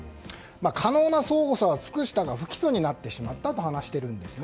可能な捜査は尽くしたが不起訴になってしまったと話しているんですね。